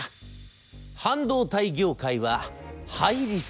半導体業界は」